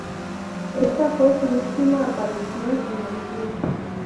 Esta fue su última aparición en el club.